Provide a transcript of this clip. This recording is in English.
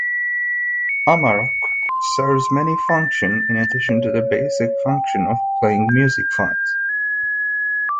Amarok serves many functions in addition to the basic function of playing music files.